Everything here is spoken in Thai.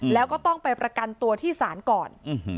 แล้วก็ต้องไปประกันตัวที่ศาลก่อน